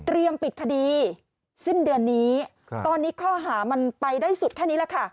ปิดคดีสิ้นเดือนนี้ตอนนี้ข้อหามันไปได้สุดแค่นี้แหละค่ะ